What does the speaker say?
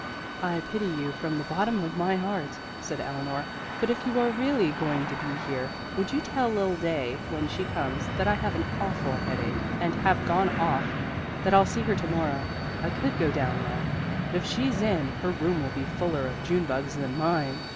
"I pity you from the bottom of my heart," said Eleanor, "but if you are really going to be here would you tell Lil Day when she comes that I have an awful headache and have gone off that I'll see her to morrow. I could go down there, but if she's in, her room will be fuller of June bugs than mine.